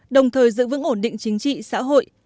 đồng thời giữ vững ổn định chính trị xã hội